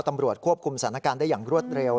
ตำรวจควบคุมสถานการณ์ได้อย่างรวดเร็ว